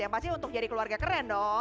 yang pasti untuk jadi keluarga keren dong